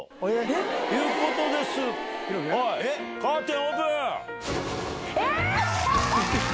カーテンオープン！え